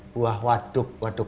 enam puluh lima buah waduk